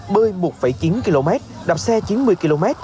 bơi một chín km đạp xe chín mươi km